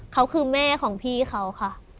เขาคือแม่ของพี่เขาค่ะ